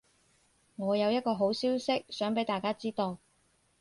我有一個好消息想畀大家知道